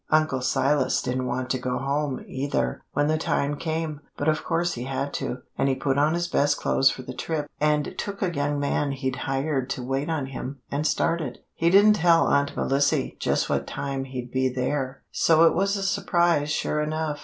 Uncle Silas didn't want to go home, either, when the time came, but of course he had to, and he put on his best clothes for the trip, and took a young man he'd hired to wait on him, and started. "He didn't tell Aunt Melissy just what time he'd be there, so it was a surprise sure enough.